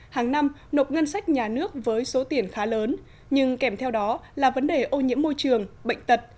hàng năm nộp ngân sách nhà nước với số tiền khá lớn nhưng kèm theo đó là vấn đề ô nhiễm môi trường bệnh tật